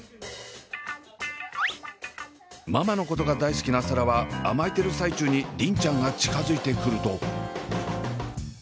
ママのことが大好きな紗蘭は甘えてる最中に梨鈴ちゃんが近づいてくると。